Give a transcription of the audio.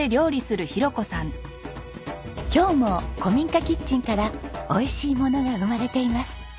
今日も古民家キッチンからおいしいものが生まれています。